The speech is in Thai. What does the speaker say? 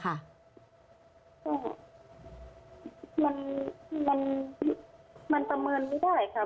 มันตระเมินไม่ได้ค่ะ